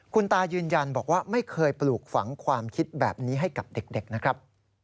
คุณตายืนยันบอกว่าไม่เคยปลูกฝังความคิดแบบนี้ให้กับเด็กนะครับ